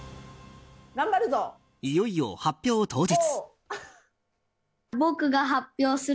いよいよ発表当日。